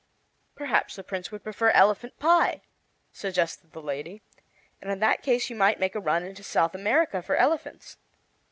"Perhaps the Prince would prefer elephant pie," suggested the lady, "and in that case you might make a run into South America for elephants."